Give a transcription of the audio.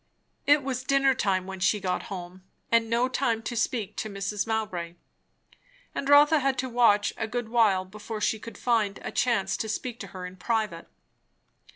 It was dinner time when she got home, and no time to speak to Mrs. Mowbray. And Rotha had to watch a good while before she could find a chance to speak to her in private.